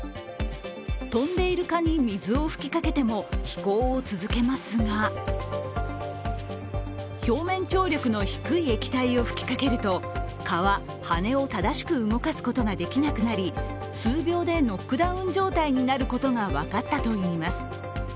飛んでいる蚊に水を吹きかけても飛行を続けますが表面張力の低い液体を吹きかけると蚊は羽を正しく動かすことができなくなり、数秒でノックダウン状態になることが分かったといいます。